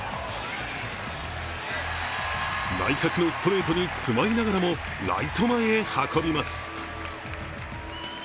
内角のストレートに詰まりながらも、ライト前へ運びます。